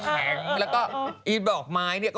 เป็นไหม